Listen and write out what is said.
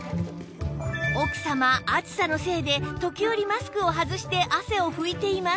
奥様暑さのせいで時折マスクを外して汗を拭いています